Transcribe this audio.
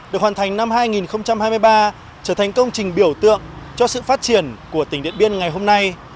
được hoàn thành năm hai nghìn hai mươi ba trở thành công trình biểu tượng cho sự phát triển của tỉnh điện biên ngày hôm nay